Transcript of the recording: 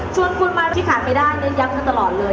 ชวนคุณมาที่ขาดไม่ได้ยังยังตลอดเลย